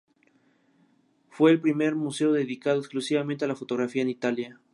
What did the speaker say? Fue el primer museo dedicado exclusivamente a la fotografía en Italia.